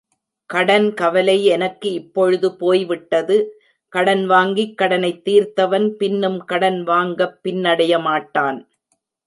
கடன் கவலை எனக்கு இப்பொழுது போய்விட்டது.. கடன் வாங்கிக் கடனைத் தீர்த்தவன், பின்னும் கடன் வாங்கப் பின்னடைய மாட்டான்.